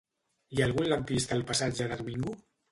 Hi ha algun lampista al passatge de Domingo?